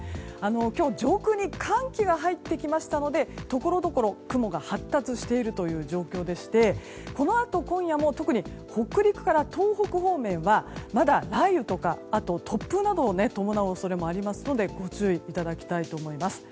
今日、上空に寒気が入ってきましたのでところどころ雲が発達している状況でしてこのあと今夜も特に北陸から東北方面はまだ雷雨とか、あと突風などを伴う恐れもありますのでご注意いただきたいと思います。